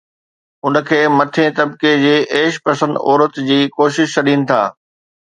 اُن کي مٿئين طبقي جي عيش پسند عورت جي ڪوشش سڏين ٿا